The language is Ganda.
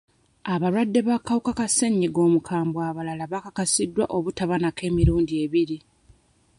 Abalwadde b'akawuka ka ssennyiga omukambwe abalala bakakasiddwa obutaba nako emirundi ebiri.